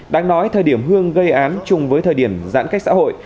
đang nói thời điểm hương gây án chung với thời điểm giãn cách xã hội